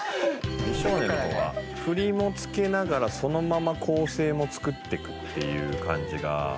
美少年の方は振りも付けながらそのまま構成も作っていくっていう感じが。